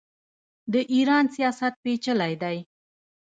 د ایران سیاست پیچلی دی.